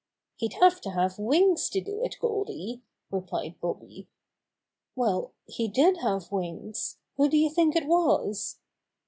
"He'd have to have wings to do it, Goldy," replied Bobby. "Well, he did have wings. Who do you think it was?"